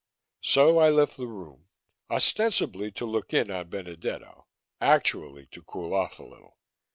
So I left the room ostensibly to look in on Benedetto, actually to cool off a little.